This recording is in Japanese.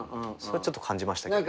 それはちょっと感じました。